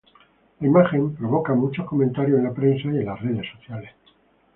La imagen provoca muchos comentarios en la prensa y en las redes sociales.